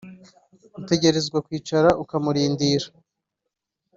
utegerezwa kwicara ukamurindira